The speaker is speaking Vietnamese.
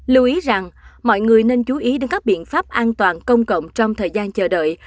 lưu ý rằng mọi người nên chú ý đến các biện pháp an toàn công cộng trong thời gian chờ đợi